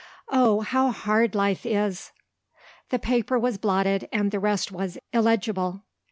Oh, how hard life is " The paper was blotted, and the rest was illegible.